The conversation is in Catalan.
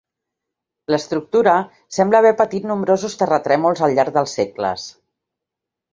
L'estructura sembla haver patit nombrosos terratrèmols al llarg dels segles.